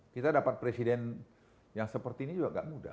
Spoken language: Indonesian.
kita dapat presiden yang seperti ini juga gak mudah